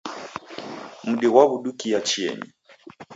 Mdi ghwaw'udukia chienyi